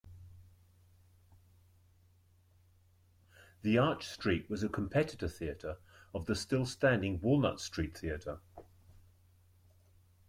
The Arch Street was a competitor theatre of the still standing Walnut Street Theatre.